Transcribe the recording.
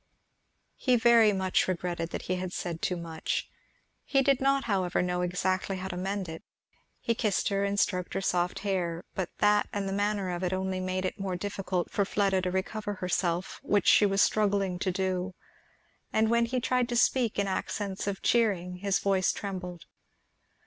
He very much regretted that he had said too much. He did not however know exactly how to mend it. He kissed her and stroked her soft hair, but that and the manner of it only made it more difficult for Fleda to recover herself, which she was struggling to do; and when he tried to speak in accents of cheering his voice trembled.